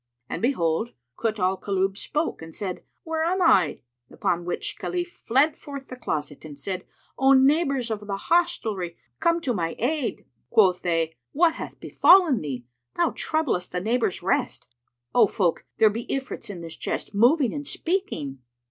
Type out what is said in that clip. And behold, Kut al Kulub spoke and said, "Where am I?" Upon which Khalif fled forth the closet and said, "O neighbours of the hostelry, come to my aid!" Quoth they, "What hath befallen thee? Thou troublest the neighbours' rest." "O folk, there be Ifrits in the chest, moving and speaking."